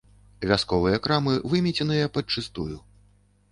Вясковыя крамы вымеценыя падчыстую.